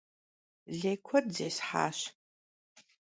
Лей куэд зесхьащ.